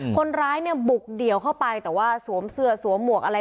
คนร้ายเนี่ยบุกเดี่ยวเข้าไปแต่ว่าสวมเสื้อสวมหมวกอะไร